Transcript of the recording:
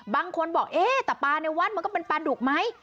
บางคนบอกเอ๊ะแต่ปลาในวัดมันก็เป็นปลาดุกไหม